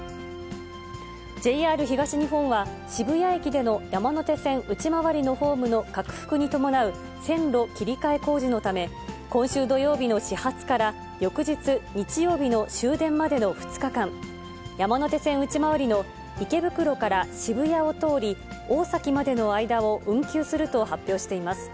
ＪＲ東日本は、渋谷駅での山手線内回りのホームの拡幅に伴う線路切り替え工事のため、今週土曜日の始発から、翌日日曜日の終電までの２日間、山手線内回りの池袋から渋谷を通り、大崎までの間を運休すると発表しています。